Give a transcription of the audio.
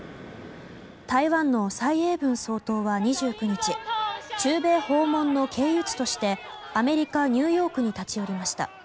台湾の蔡英文総統は２９日中米訪問の経由地としてアメリカ・ニューヨークに立ち寄りました。